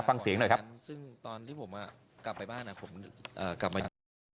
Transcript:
ฟังเสียงหน่อยครับซึ่งตอนที่ผมอ่ะกลับไปบ้านอ่ะผมอ่ากลับมา